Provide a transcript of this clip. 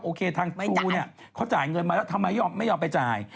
โอเคทางทูเขาจ่ายเงินมาแล้วทำไมไม่ยอมไปจ่าย